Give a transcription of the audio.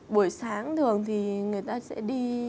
buổi sáng thường thì người ta sẽ đi